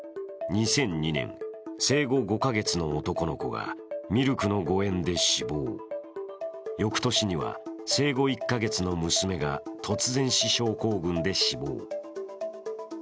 ２００２年、生後５カ月の男の子がミルクの誤えんで死亡、翌年には生後１カ月の娘が突然死症候群で死亡。